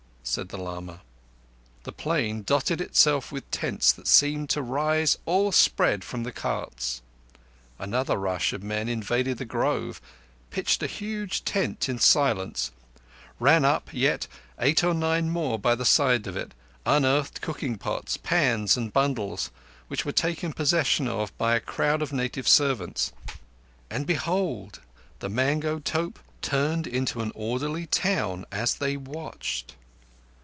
said the lama. The plain dotted itself with tents that seemed to rise, all spread, from the carts. Another rush of men invaded the grove, pitched a huge tent in silence, ran up yet eight or nine more by the side of it, unearthed cooking pots, pans, and bundles, which were taken possession of by a crowd of native servants; and behold the mango tope turned into an orderly town as they watched!